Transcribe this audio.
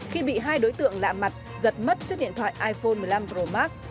khi bị hai đối tượng lạ mặt giật mất trước điện thoại iphone một mươi năm pro max